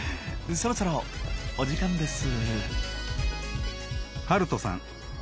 そろそろお時間です。